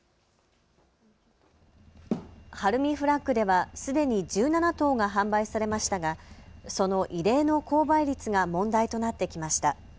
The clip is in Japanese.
晴海フラッグではすでに１７棟が販売されましたがその異例の高倍率が問題となってきました。